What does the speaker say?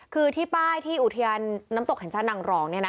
คือที่ป้ายที่อุทยานน้ำตกแห่งชาตินางรอง